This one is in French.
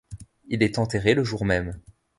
Il est enterré le jour-même.